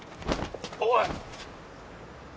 おい！